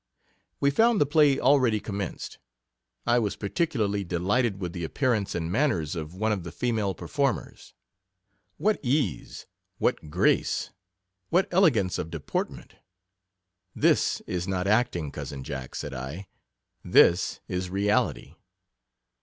We found the play already commenced. I was particularly delighted with the ap pearance and manners of one of the female performers. What ease, what grace, what elegance of deportment — this is not acting, cousin Jack, said I — this is reality.